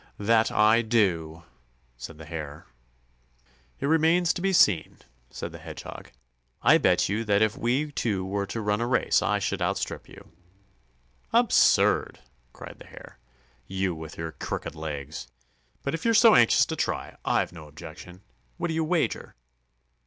"That I do," said the Hare. "It remains to be seen," said the Hedgehog. "I bet you that if we two were to run a race I should outstrip you." "Absurd!" cried the Hare. "You with your crooked legs! But if you're so anxious to try, I've no objection. What do you wager?"